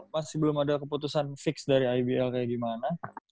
masih belum ada keputusan fix dari ibl kayak gimana